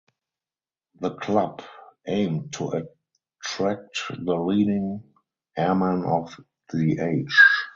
The club aimed to attract the leading airmen of the age.